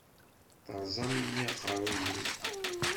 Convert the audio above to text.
Teṛẓamt-iyi aqeṛṛuy-iw.